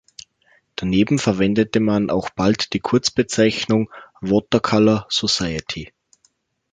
Daneben verwendete man auch bald die Kurzbezeichnung Watercolour Society.